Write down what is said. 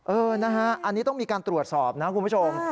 นะฮะอันนี้ต้องมีการตรวจสอบนะคุณผู้ชม